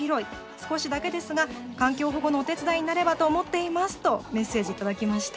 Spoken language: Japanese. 少しだけですが環境保護のお手伝いになればと思っています」とメッセージ頂きました。